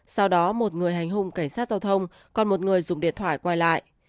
sau đó một người hành hung cảnh sát giao thông còn một người dùng điện thoại quay lại